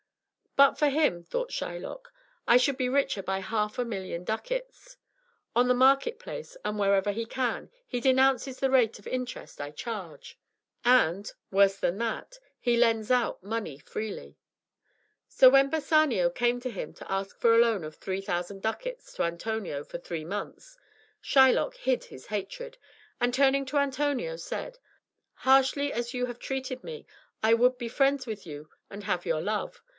"But for him," thought Shylock, "I should be richer by half a million ducats. On the market place, and wherever he can, he denounces the rate of interest I charge, and worse than that he lends out money freely." So when Bassanio came to him to ask for a loan of three thousand ducats to Antonio for three months, Shylock hid his hatred, and turning to Antonio, said "Harshly as you have treated me, I would be friends with you and have your love.